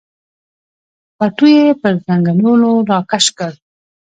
پټو یې پر زنګنونو راکش کړ.